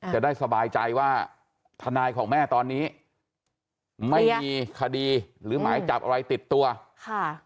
จะได้สบายใจว่าทนายของแม่ตอนนี้ไม่มีคดีหรือหมายจับอะไรติดตัวค่ะ